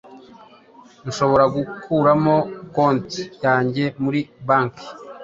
nshobora gukuramo konti yanjye muri banki